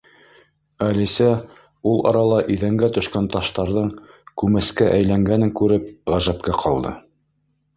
Әлисә ул арала иҙәнгә төшкән таштарҙың күмәскә өйләнгәнен күреп, ғәжәпкә ҡалды.